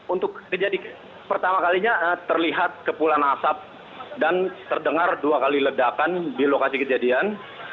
untuk pertama kalinya terlihat kepulan asap dan terdengar dua kali ledakan di lokasi kejadian